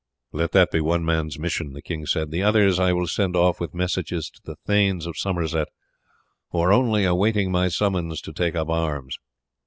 "Let that be one man's mission," the king said; "the others I will send off with messages to the thanes of Somerset, who are only awaiting my summons to take up arms.